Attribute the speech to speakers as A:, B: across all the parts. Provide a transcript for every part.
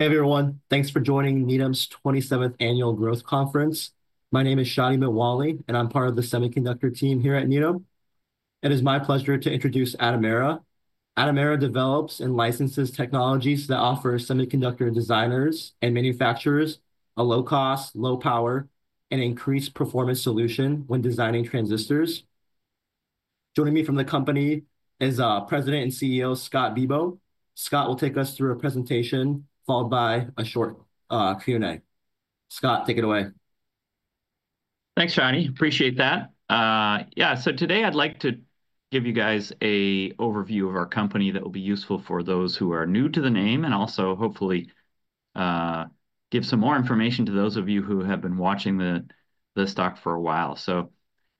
A: Hey, everyone. Thanks for joining Needham's 27th Annual Growth Conference. My name is Shadi Mitwalli, and I'm part of the semiconductor team here at Needham. It is my pleasure to introduce Atomera. Atomera develops and licenses technologies that offer semiconductor designers and manufacturers a low-cost, low-power, and increased-performance solution when designing transistors. Joining me from the company is President and CEO Scott Bibaud. Scott will take us through a presentation followed by a short Q&A. Scott, take it away.
B: Thanks, Shadi. Appreciate that. Yeah, so today I'd like to give you guys an overview of our company that will be useful for those who are new to the name and also, hopefully, give some more information to those of you who have been watching the stock for a while. So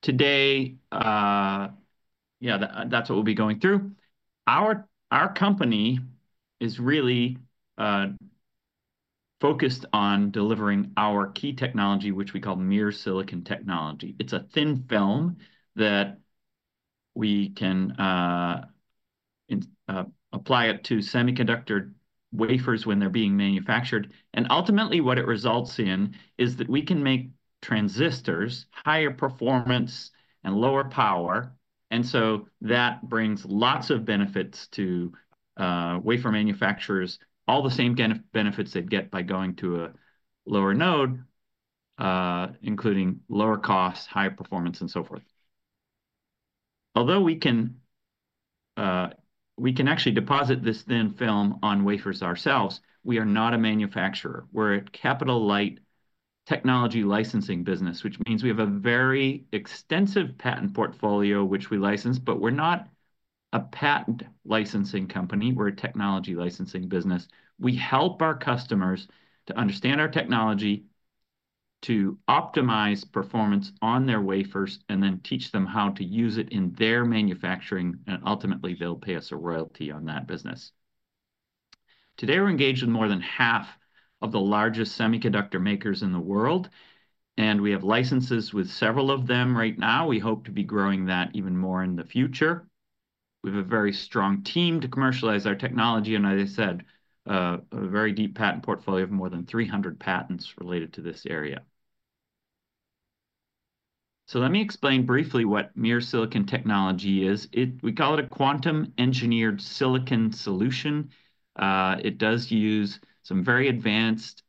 B: today, yeah, that's what we'll be going through. Our company is really focused on delivering our key technology, which we call Mears Silicon Technology. It's a thin film that we can apply to semiconductor wafers when they're being manufactured. And ultimately, what it results in is that we can make transistors higher performance and lower power. And so that brings lots of benefits to wafer manufacturers, all the same benefits they'd get by going to a lower node, including lower cost, higher performance, and so forth. Although we can actually deposit this thin film on wafers ourselves, we are not a manufacturer. We're a capital light technology licensing business, which means we have a very extensive patent portfolio which we license, but we're not a patent licensing company. We're a technology licensing business. We help our customers to understand our technology, to optimize performance on their wafers, and then teach them how to use it in their manufacturing, and ultimately, they'll pay us a royalty on that business. Today, we're engaged with more than half of the largest semiconductor makers in the world, and we have licenses with several of them right now. We hope to be growing that even more in the future. We have a very strong team to commercialize our technology, and as I said, a very deep patent portfolio of more than 300 patents related to this area. Let me explain briefly what Mears Silicon Technology is. We call it a quantum-engineered silicon solution. It does use some very advanced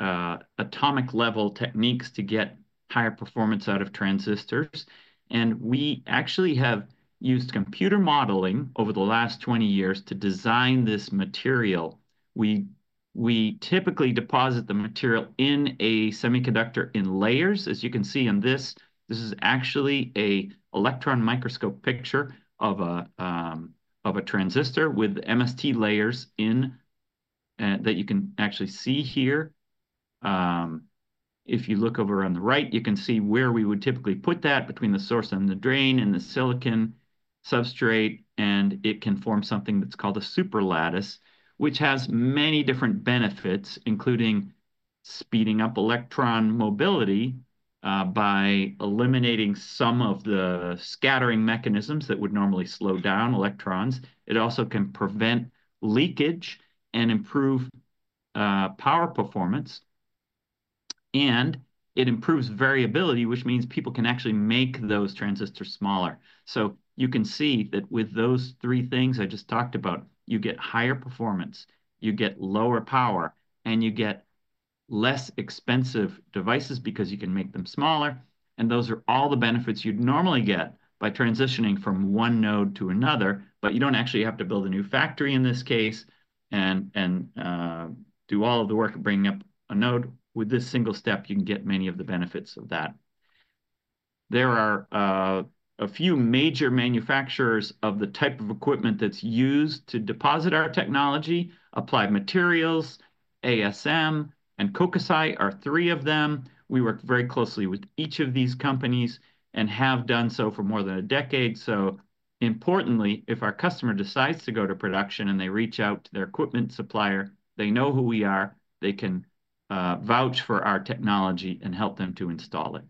B: atomic-level techniques to get higher performance out of transistors. And we actually have used computer modeling over the last 20 years to design this material. We typically deposit the material in a semiconductor in layers. As you can see in this, this is actually an electron microscope picture of a transistor with MST layers that you can actually see here. If you look over on the right, you can see where we would typically put that between the source and the drain and the silicon substrate. And it can form something that's called a superlattice, which has many different benefits, including speeding up electron mobility by eliminating some of the scattering mechanisms that would normally slow down electrons. It also can prevent leakage and improve power performance. It improves variability, which means people can actually make those transistors smaller. You can see that with those three things I just talked about, you get higher performance, you get lower power, and you get less expensive devices because you can make them smaller. Those are all the benefits you'd normally get by transitioning from one node to another. You don't actually have to build a new factory in this case and do all of the work of bringing up a node. With this single step, you can get many of the benefits of that. There are a few major manufacturers of the type of equipment that's used to deposit our technology, Applied Materials, ASM, and Kokusai are three of them. We work very closely with each of these companies and have done so for more than a decade. So importantly, if our customer decides to go to production and they reach out to their equipment supplier, they know who we are. They can vouch for our technology and help them to install it.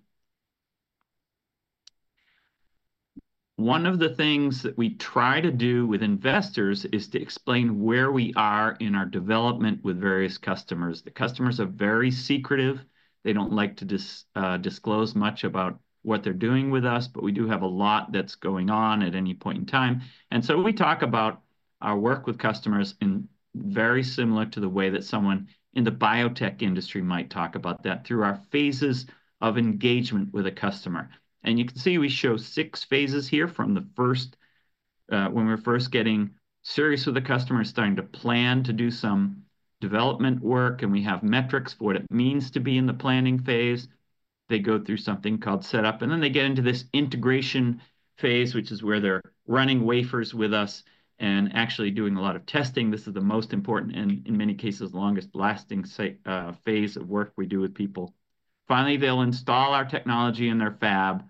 B: One of the things that we try to do with investors is to explain where we are in our development with various customers. The customers are very secretive. They don't like to disclose much about what they're doing with us, but we do have a lot that's going on at any point in time. And so we talk about our work with customers in very similar to the way that someone in the biotech industry might talk about that through our phases of engagement with a customer. And you can see we show six phases here from the first when we're first getting serious with the customer, starting to plan to do some development work. We have metrics for what it means to be in the planning phase. They go through something called setup. And then they get into this integration phase, which is where they're running wafers with us and actually doing a lot of testing. This is the most important and, in many cases, longest-lasting phase of work we do with people. Finally, they'll install our technology in their fab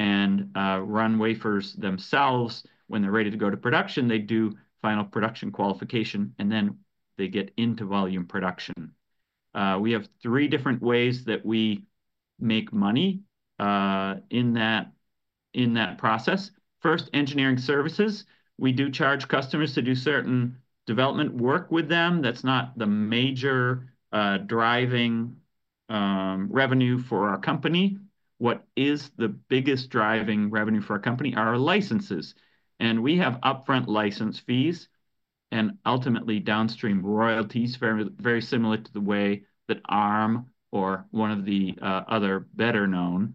B: and run wafers themselves. When they're ready to go to production, they do final production qualification, and then they get into volume production. We have three different ways that we make money in that process. First, engineering services. We do charge customers to do certain development work with them. That's not the major driving revenue for our company. What is the biggest driving revenue for our company are our licenses. And we have upfront license fees and ultimately downstream royalties, very similar to the way that ARM or one of the other better-known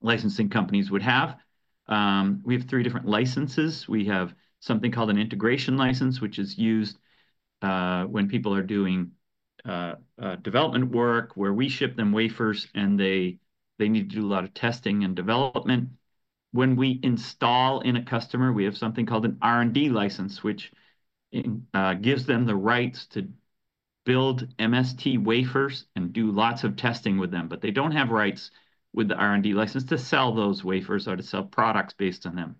B: licensing companies would have. We have three different licenses. We have something called an integration license, which is used when people are doing development work where we ship them wafers and they need to do a lot of testing and development. When we install in a customer, we have something called an R&D license, which gives them the rights to build MST wafers and do lots of testing with them. But they don't have rights with the R&D license to sell those wafers or to sell products based on them.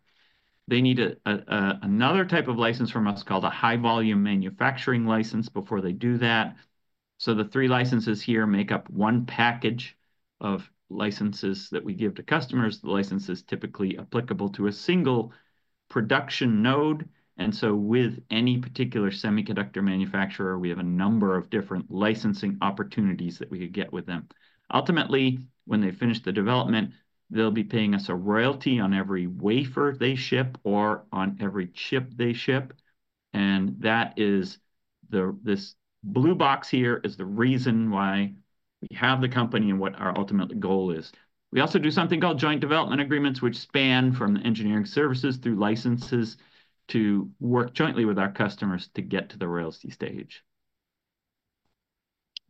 B: They need another type of license from us called a high-volume manufacturing license before they do that. So the three licenses here make up one package of licenses that we give to customers. The license is typically applicable to a single production node. And so with any particular semiconductor manufacturer, we have a number of different licensing opportunities that we could get with them. Ultimately, when they finish the development, they'll be paying us a royalty on every wafer they ship or on every chip they ship. And this blue box here is the reason why we have the company and what our ultimate goal is. We also do something called joint development agreements, which span from engineering services through licenses to work jointly with our customers to get to the royalty stage.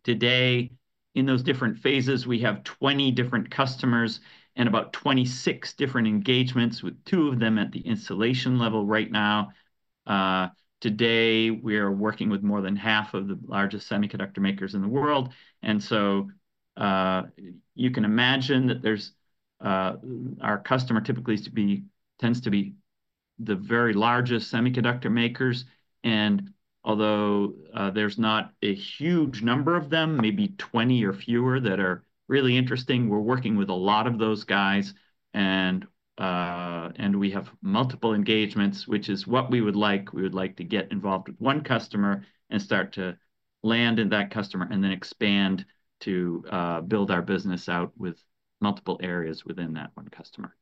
B: Today, in those different phases, we have 20 different customers and about 26 different engagements, with two of them at the installation level right now. Today, we are working with more than half of the largest semiconductor makers in the world. And so you can imagine that our customer typically tends to be the very largest semiconductor makers. And although there's not a huge number of them, maybe 20 or fewer that are really interesting, we're working with a lot of those guys. And we have multiple engagements, which is what we would like. We would like to get involved with one customer and start to land in that customer and then expand to build our business out with multiple areas within that one customer.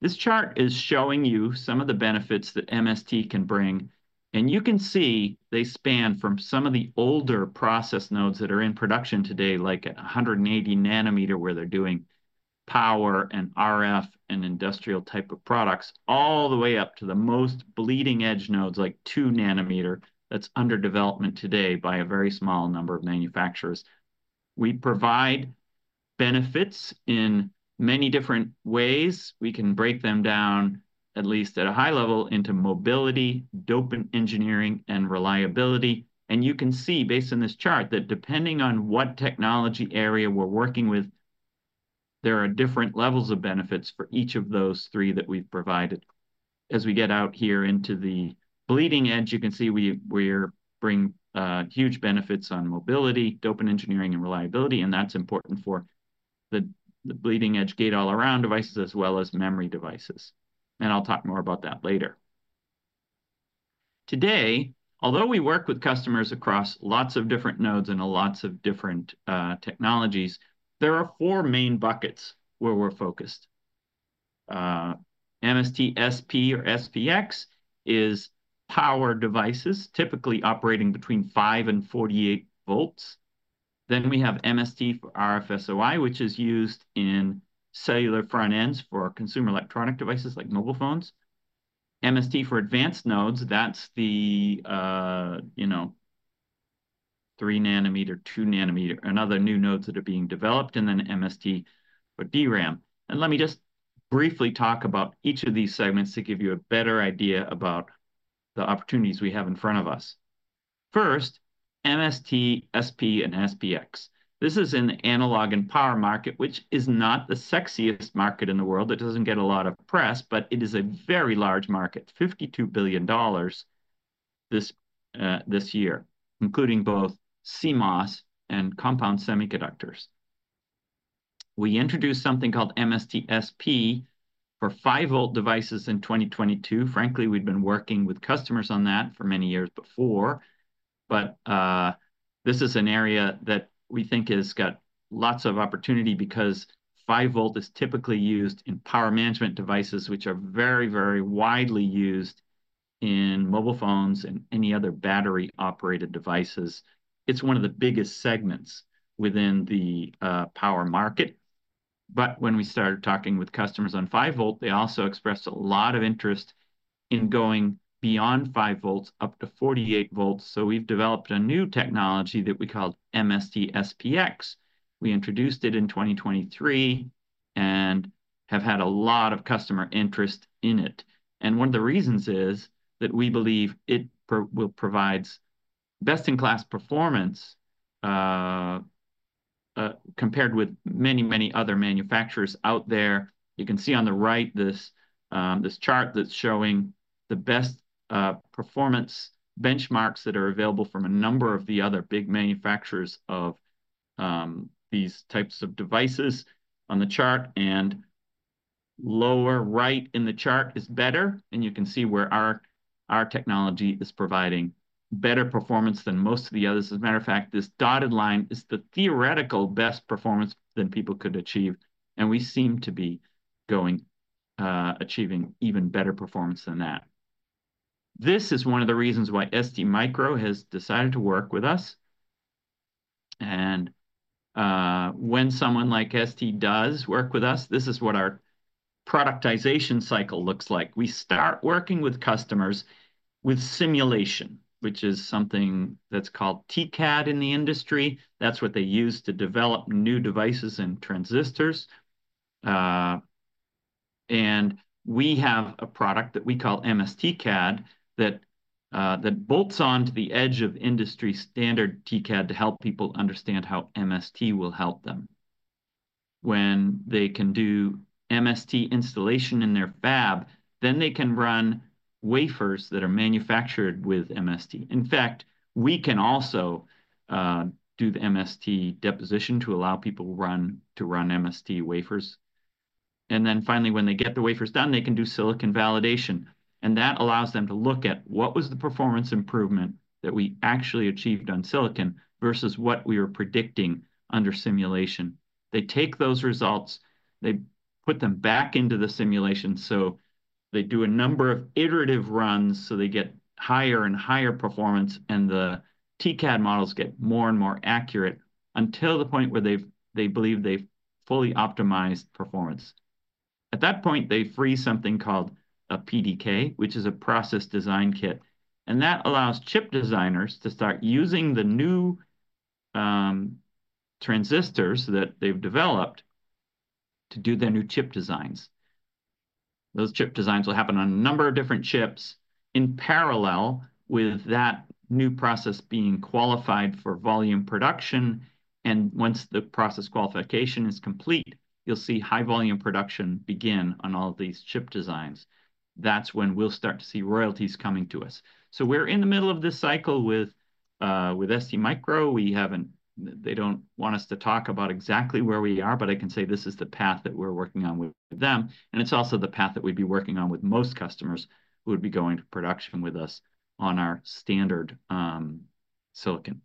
B: This chart is showing you some of the benefits that MST can bring. You can see they span from some of the older process nodes that are in production today, like at 180-nanometer, where they're doing power and RF and industrial type of products, all the way up to the most bleeding-edge nodes, like 2-nanometer, that's under development today by a very small number of manufacturers. We provide benefits in many different ways. We can break them down, at least at a high level, into mobility, doping engineering, and reliability. You can see based on this chart that depending on what technology area we're working with, there are different levels of benefits for each of those three that we've provided. As we get out here into the bleeding-edge, you can see we bring huge benefits on mobility, doping engineering, and reliability. That's important for the bleeding-edge gate-all-around devices as well as memory devices. I'll talk more about that later. Today, although we work with customers across lots of different nodes and lots of different technologies, there are four main buckets where we're focused. MST-SP or SPX is power devices, typically operating between five and 48 volts. We have MST for RF-SOI, which is used in cellular front ends for consumer electronic devices like mobile phones. MST for advanced nodes, that's the three nanometer, two nanometer, and other new nodes that are being developed. MST for DRAM. Let me just briefly talk about each of these segments to give you a better idea about the opportunities we have in front of us. First, MST-SP and SPX. This is in the analog and power market, which is not the sexiest market in the world. It doesn't get a lot of press, but it is a very large market, $52 billion this year, including both CMOS and compound semiconductors. We introduced something called MST-SP for 5-volt devices in 2022. Frankly, we'd been working with customers on that for many years before. But this is an area that we think has got lots of opportunity because 5-volt is typically used in power management devices, which are very, very widely used in mobile phones and any other battery-operated devices. It's one of the biggest segments within the power market. But when we started talking with customers on 5-volt, they also expressed a lot of interest in going beyond 5 volts-48 volts. So we've developed a new technology that we called MST-SPX. We introduced it in 2023 and have had a lot of customer interest in it. And one of the reasons is that we believe it will provide best-in-class performance compared with many, many other manufacturers out there. You can see on the right this chart that's showing the best performance benchmarks that are available from a number of the other big manufacturers of these types of devices on the chart. And lower right in the chart is better. And you can see where our technology is providing better performance than most of the others. As a matter of fact, this dotted line is the theoretical best performance than people could achieve. And we seem to be achieving even better performance than that. This is one of the reasons why STMicro has decided to work with us. And when someone like ST does work with us, this is what our productization cycle looks like. We start working with customers with simulation, which is something that's called TCAD in the industry. That's what they use to develop new devices and transistors, and we have a product that we call MSTcad that bolts onto the edge of industry standard TCAD to help people understand how MST will help them. When they can do MST installation in their fab, then they can run wafers that are manufactured with MST. In fact, we can also do the MST deposition to allow people to run MST wafers, and then finally, when they get the wafers done, they can do silicon validation, and that allows them to look at what was the performance improvement that we actually achieved on silicon versus what we were predicting under simulation. They take those results, they put them back into the simulation. They do a number of iterative runs, so they get higher and higher performance, and the TCAD models get more and more accurate until the point where they believe they've fully optimized performance. At that point, they release something called a PDK, which is a process design kit. And that allows chip designers to start using the new transistors that they've developed to do their new chip designs. Those chip designs will happen on a number of different chips in parallel with that new process being qualified for volume production. And once the process qualification is complete, you'll see high-volume production begin on all of these chip designs. That's when we'll start to see royalties coming to us. So we're in the middle of this cycle with STMicroelectronics. They don't want us to talk about exactly where we are, but I can say this is the path that we're working on with them. And it's also the path that we'd be working on with most customers who would be going to production with us on our standard silicon.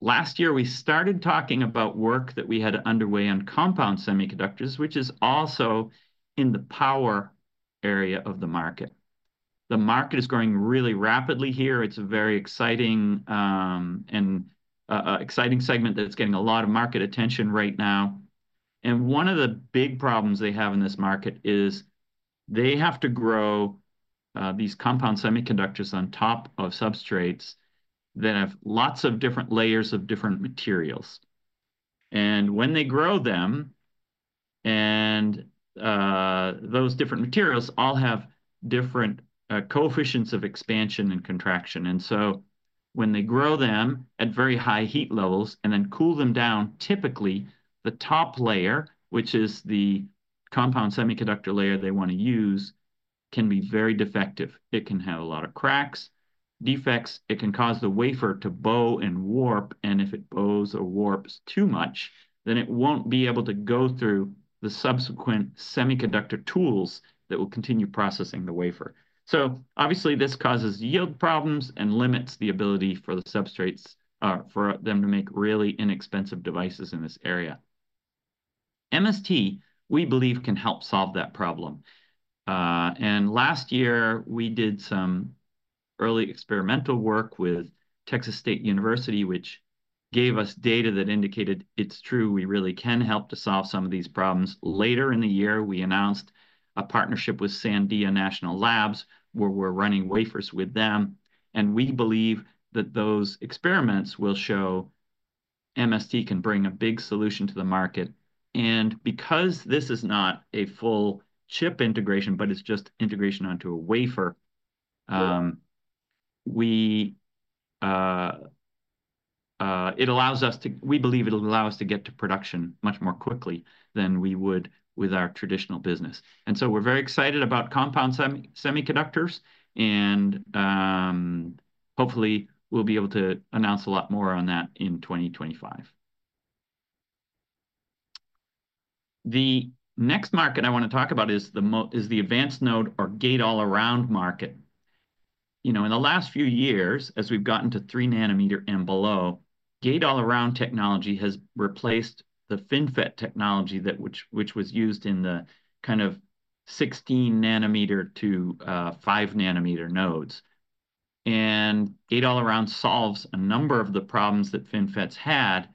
B: Last year, we started talking about work that we had underway on compound semiconductors, which is also in the power area of the market. The market is growing really rapidly here. It's a very exciting and exciting segment that's getting a lot of market attention right now. And one of the big problems they have in this market is they have to grow these compound semiconductors on top of substrates that have lots of different layers of different materials. And when they grow them, those different materials all have different coefficients of expansion and contraction. When they grow them at very high heat levels and then cool them down, typically the top layer, which is the compound semiconductor layer they want to use, can be very defective. It can have a lot of cracks, defects. It can cause the wafer to bow and warp. If it bows or warps too much, then it won't be able to go through the subsequent semiconductor tools that will continue processing the wafer. Obviously, this causes yield problems and limits the ability for the substrates for them to make really inexpensive devices in this area. MST, we believe, can help solve that problem. Last year, we did some early experimental work with Texas State University, which gave us data that indicated it's true we really can help to solve some of these problems. Later in the year, we announced a partnership with Sandia National Labs where we're running wafers with them. And we believe that those experiments will show MST can bring a big solution to the market. And because this is not a full chip integration, but it's just integration onto a wafer, it allows us to, we believe it'll allow us to get to production much more quickly than we would with our traditional business. And so we're very excited about compound semiconductors. And hopefully, we'll be able to announce a lot more on that in 2025. The next market I want to talk about is the advanced node or gate-all-around market. In the last few years, as we've gotten to three nanometer and below, gate-all-around technology has replaced the FinFET technology that was used in the kind of 16 nanometer-5 nanometer nodes. And gate-all-around solves a number of the problems that FinFETs had,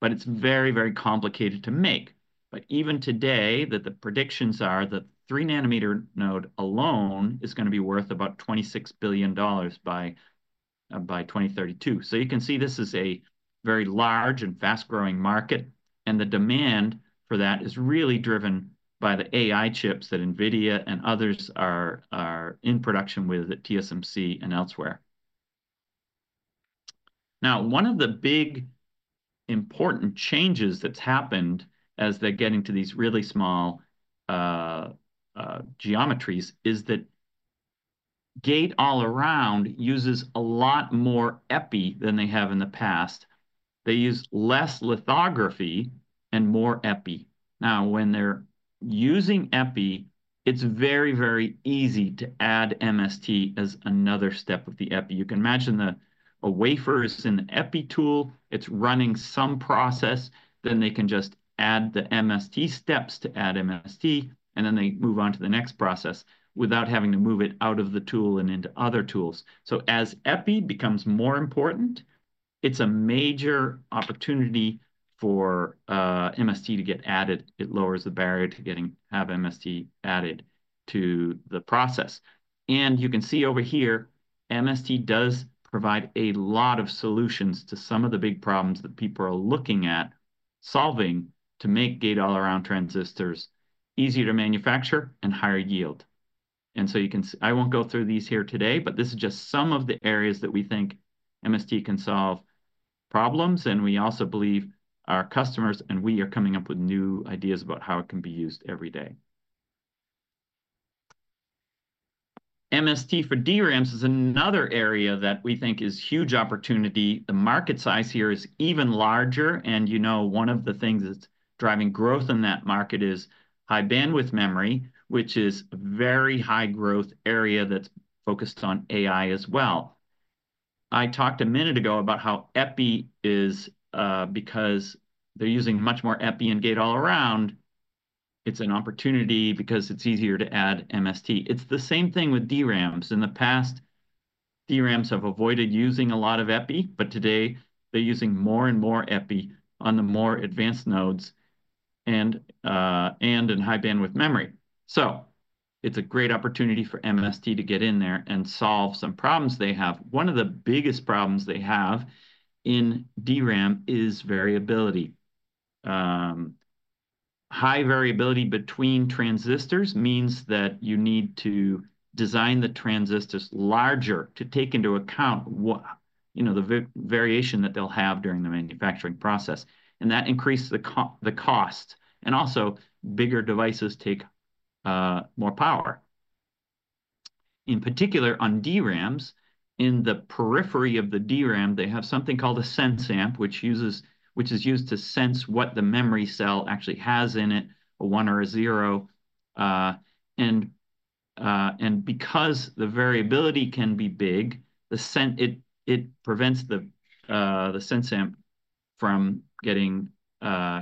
B: but it's very, very complicated to make. But even today, the predictions are that the three nanometer node alone is going to be worth about $26 billion by 2032. So you can see this is a very large and fast-growing market. And the demand for that is really driven by the AI chips that NVIDIA and others are in production with at TSMC and elsewhere. Now, one of the big important changes that's happened as they're getting to these really small geometries is that gate-all-around uses a lot more epi than they have in the past. They use less lithography and more epi. Now, when they're using epi, it's very, very easy to add MST as another step of the epi. You can imagine a wafer is in the epi tool. It's running some process. Then they can just add the MST steps to add MST, and then they move on to the next process without having to move it out of the tool and into other tools. So as epi becomes more important, it's a major opportunity for MST to get added. It lowers the barrier to getting to have MST added to the process. And you can see over here, MST does provide a lot of solutions to some of the big problems that people are looking at solving to make gate-all-around transistors easier to manufacture and higher yield. And so you can see I won't go through these here today, but this is just some of the areas that we think MST can solve problems. And we also believe our customers and we are coming up with new ideas about how it can be used every day. MST for DRAMs is another area that we think is a huge opportunity. The market size here is even larger. And you know one of the things that's driving growth in that market is High Bandwidth Memory, which is a very high-growth area that's focused on AI as well. I talked a minute ago about how epi is because they're using much more epi in gate-all-around. It's an opportunity because it's easier to add MST. It's the same thing with DRAMs. In the past, DRAMs have avoided using a lot of epi, but today they're using more and more epi on the more advanced nodes and in High Bandwidth Memory. So it's a great opportunity for MST to get in there and solve some problems they have. One of the biggest problems they have in DRAM is variability. High variability between transistors means that you need to design the transistors larger to take into account the variation that they'll have during the manufacturing process, and that increases the cost, and also bigger devices take more power. In particular, on DRAMs, in the periphery of the DRAM, they have something called a sense amp, which is used to sense what the memory cell actually has in it, a 1 or a 0, and because the variability can be big, it prevents the sense amp from getting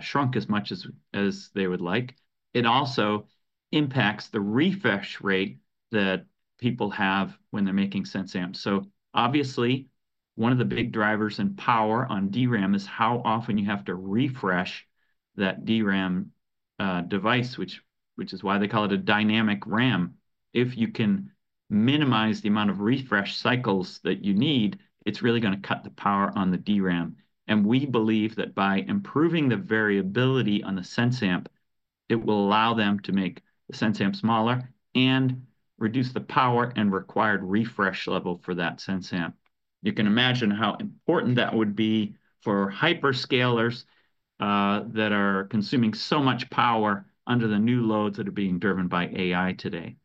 B: shrunk as much as they would like. It also impacts the refresh rate that people have when they're making sense amps, so obviously one of the big drivers in power on DRAM is how often you have to refresh that DRAM device, which is why they call it a dynamic RAM. If you can minimize the amount of refresh cycles that you need, it's really going to cut the power on the DRAM, and we believe that by improving the variability on the sense amp, it will allow them to make the sense amp smaller and reduce the power and required refresh level for that sense amp. You can imagine how important that would be for hyperscalers that are consuming so much power under the new loads that are being driven by AI today,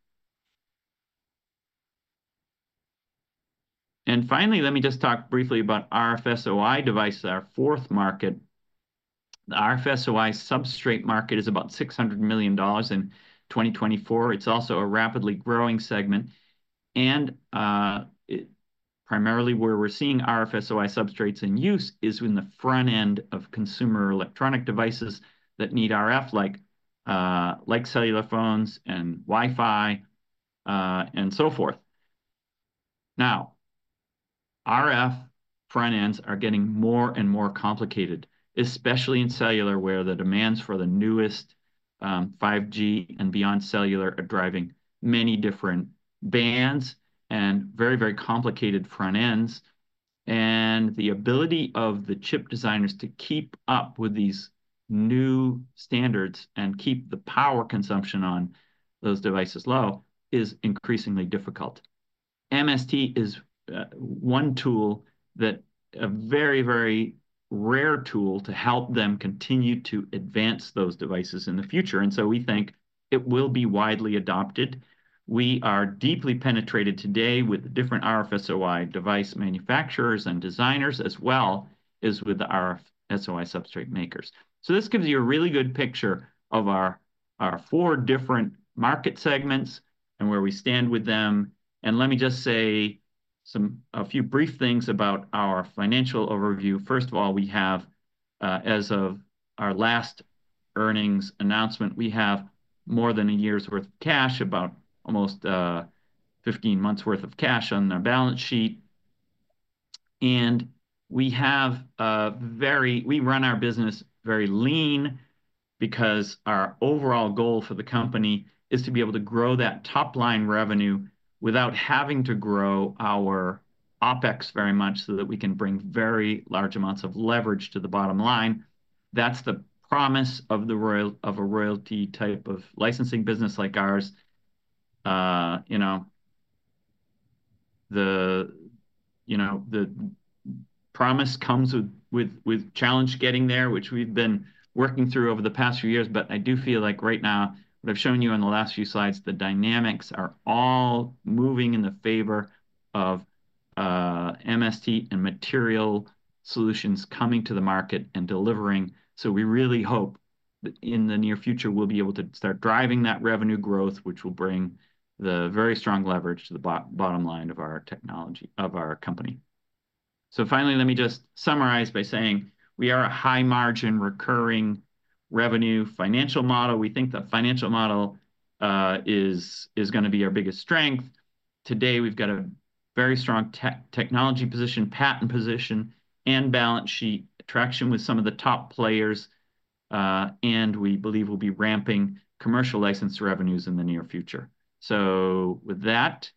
B: and finally, let me just talk briefly about RFSOI devices, our fourth market. The RF-SOI substrate market is about $600 million in 2024. It's also a rapidly growing segment, and primarily, where we're seeing RF-SOI substrates in use is in the front end of consumer electronic devices that need RF, like cellular phones and Wi-Fi and so forth. Now, RF front ends are getting more and more complicated, especially in cellular, where the demands for the newest 5G and beyond cellular are driving many different bands and very, very complicated front ends, and the ability of the chip designers to keep up with these new standards and keep the power consumption on those devices low is increasingly difficult. MST is one tool that a very, very rare tool to help them continue to advance those devices in the future, and so we think it will be widely adopted. We are deeply penetrated today with different RF-SOI device manufacturers and designers as well as with the RF-SOI substrate makers, so this gives you a really good picture of our four different market segments and where we stand with them, and let me just say a few brief things about our financial overview. First of all, as of our last earnings announcement, we have more than a year's worth of cash, about almost 15 months' worth of cash on our balance sheet. And we run our business very lean because our overall goal for the company is to be able to grow that top-line revenue without having to grow our OpEx very much so that we can bring very large amounts of leverage to the bottom line. That's the promise of a royalty type of licensing business like ours. The promise comes with challenge getting there, which we've been working through over the past few years. But I do feel like right now, what I've shown you on the last few slides, the dynamics are all moving in the favor of MST and material solutions coming to the market and delivering. So we really hope that in the near future, we'll be able to start driving that revenue growth, which will bring the very strong leverage to the bottom line of our technology, of our company. So finally, let me just summarize by saying we are a high-margin recurring revenue financial model. We think the financial model is going to be our biggest strength. Today, we've got a very strong technology position, patent position, and balance sheet traction with some of the top players. And we believe we'll be ramping commercial license revenues in the near future. So with that,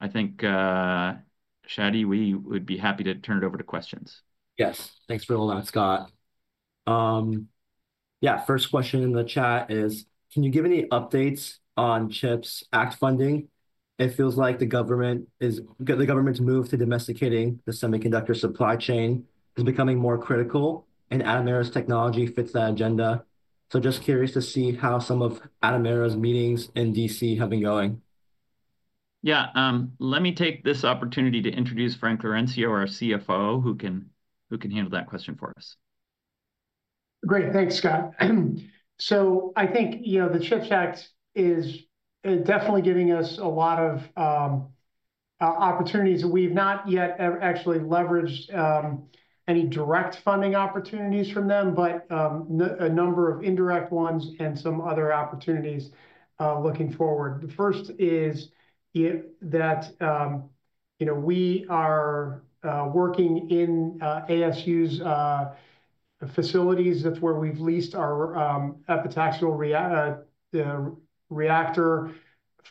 B: I think, Shadi, we would be happy to turn it over to questions.
A: Yes. Thanks for holding out, Scott. Yeah. First question in the chat is, can you give any updates on CHIPS Act funding? It feels like the government's move to domesticating the semiconductor supply chain is becoming more critical, and Atomera's technology fits that agenda, so just curious to see how some of Atomera's meetings in DC have been going.
B: Yeah. Let me take this opportunity to introduce Frank Laurencio, our CFO, who can handle that question for us. Great.
C: Thanks, Scott, so I think the CHIPS Act is definitely giving us a lot of opportunities that we've not yet actually leveraged any direct funding opportunities from them, but a number of indirect ones and some other opportunities looking forward. The first is that we are working in ASU's facilities. That's where we've leased our epitaxial reactor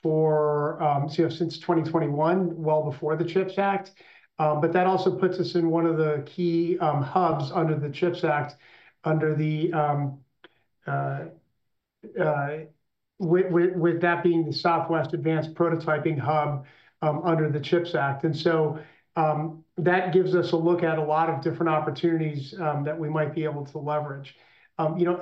C: for since 2021, well before the CHIPS Act. But that also puts us in one of the key hubs under the CHIPS Act, with that being the Southwest Advanced Prototyping Hub under the CHIPS Act. And so that gives us a look at a lot of different opportunities that we might be able to leverage.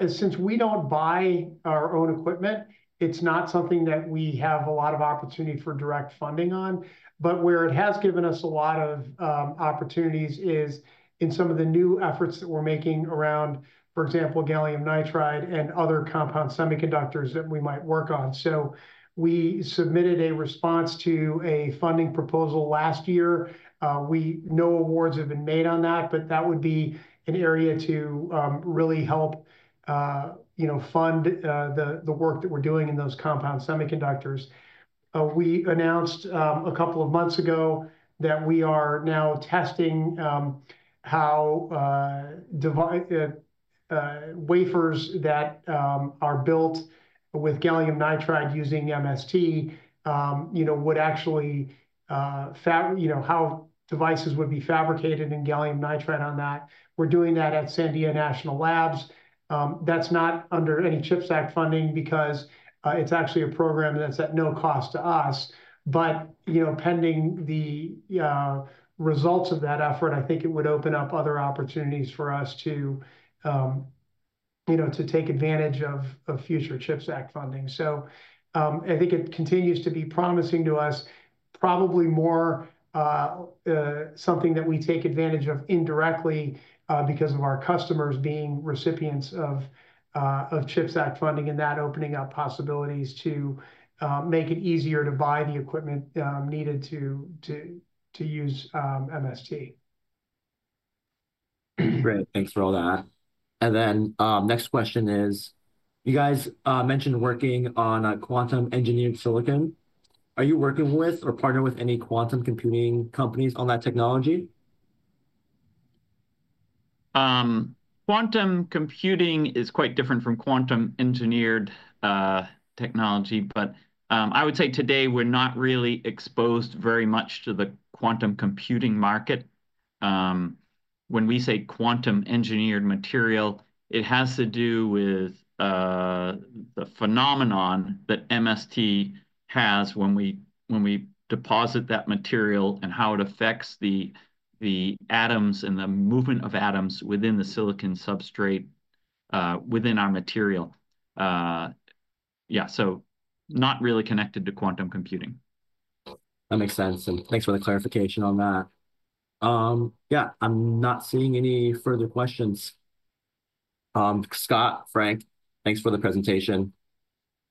C: Since we don't buy our own equipment, it's not something that we have a lot of opportunity for direct funding on. But where it has given us a lot of opportunities is in some of the new efforts that we're making around, for example, gallium nitride and other compound semiconductors that we might work on. So we submitted a response to a funding proposal last year. No awards have been made on that, but that would be an area to really help fund the work that we're doing in those compound semiconductors. We announced a couple of months ago that we are now testing how wafers that are built with gallium nitride using MST would actually, how devices would be fabricated in gallium nitride on that. We're doing that at Sandia National Labs. That's not under any CHIPS Act funding because it's actually a program that's at no cost to us. But pending the results of that effort, I think it would open up other opportunities for us to take advantage of future CHIPS Act funding. So I think it continues to be promising to us, probably more something that we take advantage of indirectly because of our customers being recipients of CHIPS Act funding and that opening up possibilities to make it easier to buy the equipment needed to use MST.
A: Great. Thanks for all that. And then next question is, you guys mentioned working on a quantum-engineered silicon. Are you working with or partner with any quantum computing companies on that technology?
B: Quantum computing is quite different from quantum-engineered technology, but I would say today we're not really exposed very much to the quantum computing market. When we say quantum-engineered material, it has to do with the phenomenon that MST has when we deposit that material and how it affects the atoms and the movement of atoms within the silicon substrate within our material. Yeah. So not really connected to quantum computing.
A: That makes sense, and thanks for the clarification on that. Yeah. I'm not seeing any further questions. Scott, Frank, thanks for the presentation.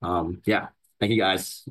A: Yeah. Thank you, guys.